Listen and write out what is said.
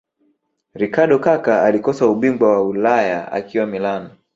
ricardo kaka alikosa ubingwa wa ulaya akiwa Milan